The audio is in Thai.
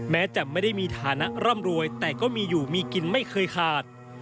แม้จะไม่ได้มีฐานะร่ำรวยแต่ก็มีอยู่มีกินไม่เคยขาด